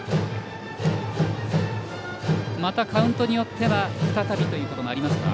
カウントによっては再びということもありますか。